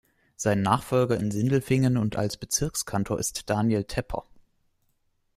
Sein Nachfolger in Sindelfingen und als Bezirkskantor ist Daniel Tepper.